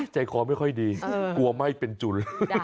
จรัยกรมไม่ค่อยดีกลัวไม่เป็นจุน